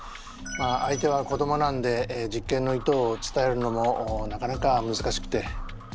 まあ相手は子どもなんで実験の意図を伝えるのもなかなかむずかしくて。